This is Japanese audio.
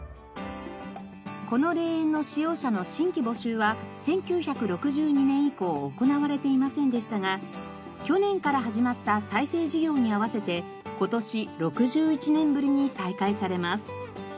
この霊園の使用者の新規募集は１９６２年以降行われていませんでしたが去年から始まった再生事業にあわせて今年６１年ぶりに再開されます。